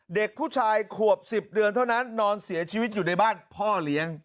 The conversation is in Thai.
เด็กผู้ชายขวบ๑๐เดือนเท่านั้นนอนเสียชีวิตอยู่ในบ้านพ่อเลี้ยง